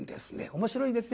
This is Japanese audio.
面白いですね